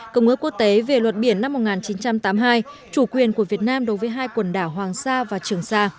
công ước quốc tế về luật biển năm một nghìn chín trăm tám mươi hai chủ quyền của việt nam đối với hai quần đảo hoàng sa và trường sa